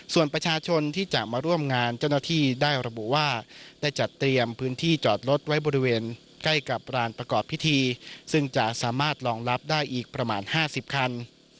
ส่วนประชาชนที่จะมาร่วมงานเจ้าหน้าที่ได้ระบุว่าได้จัดเตรียมพื้นที่จอดรถไว้บริเวณใกล้กับร้านประกอบพิธีซึ่งจะสามารถรองรับได้อีกประมาณ๕๐คัน